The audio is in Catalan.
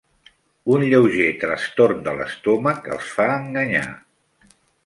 Un lleuger trastorn de l'estómac els fa enganyar.